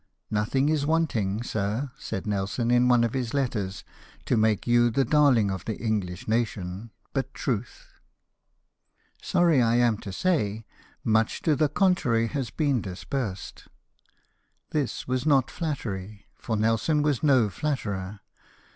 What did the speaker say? " Nothing is wanting, sir," said Nelson in one of his letters, " to make you the darling of the English nation, but truth. LETTER TO PRINCE WILLIAM HENRY. 47 Sorry I am to say, much to the contrary has been dispersed." This was not flattery ; for Nelson was no flatterer.